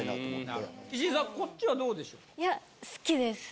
石井さんこっちはどうでしょう？